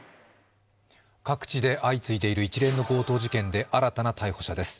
各地で相次いでいる一連の強盗事件で新たな逮捕者です。